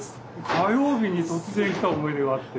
火曜日に突然来た思い出があって。